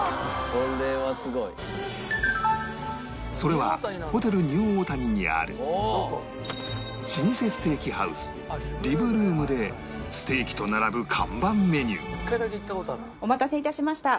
それはホテルニューオータニにある老舗ステーキハウス ＲＩＢＲＯＯＭ でステーキと並ぶ看板メニューお待たせ致しました。